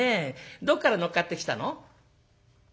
どっから乗っかってきたの？」。